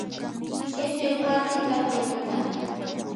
yachay wasi tapyapitam.